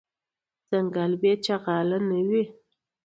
ځنګل بی شغاله نه وي .